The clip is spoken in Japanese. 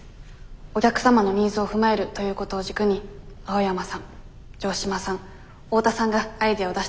お客様のニーズを踏まえるということを軸に青山さん城島さん大田さんがアイデアを出して下さり